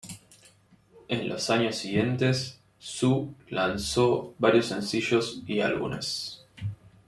En los años siguientes Hsu lanzó varios sencillos y álbumes.